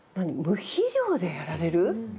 無肥料でやられる？